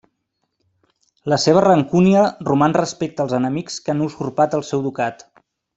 La seva rancúnia roman respecte als enemics que han usurpat el seu ducat.